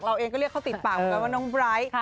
เราเองก็เรียกเขาติดปากกันว่าน้องไบร์ท